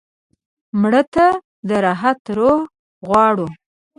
مړه ته د راحت روح غواړو